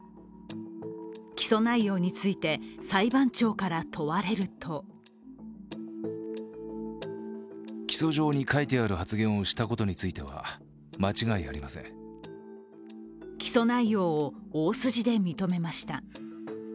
起訴内容について裁判長から問われると起訴内容を大筋で認めました。